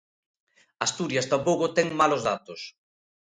Asturias tampouco ten malos datos.